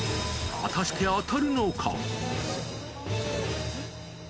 果たして、当たるのか。